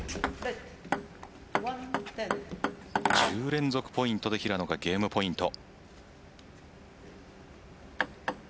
１０連続ポイントで平野がゲームポイント。